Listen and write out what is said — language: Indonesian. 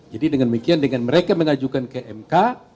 jadi dengan mereka mengajukan ke mk